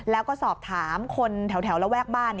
แล้วก็สอบถามคนแถวระแวกบ้าน